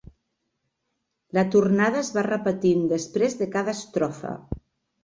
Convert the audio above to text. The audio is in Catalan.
La tornada es va repetint després de cada estrofa.